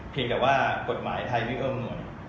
เพียงแต่ว่ากฎหมายไทยวิ่งเอิ่มหน่วย